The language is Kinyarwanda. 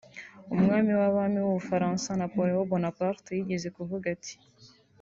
Umwami w’abami w’u Bufaransa Napoleon Bonaparte yigeze kuvuga ati